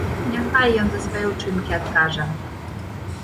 Няхай ён за свае ўчынкі адкажа!